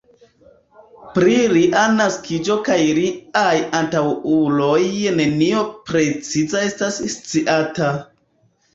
Pri lia naskiĝo kaj liaj antaŭuloj nenio preciza estas sciata.